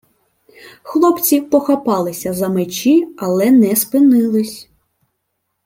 Хлопці похапалися за мечі, але не спинились.